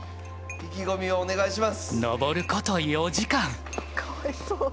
意気込みをお願いします！